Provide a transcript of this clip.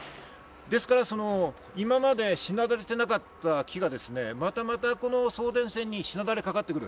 ですから今までしなだれてなかった木が、またまた送電線にしなだれかかってくる。